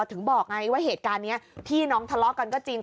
ถึงบอกไงว่าเหตุการณ์นี้พี่น้องทะเลาะกันก็จริง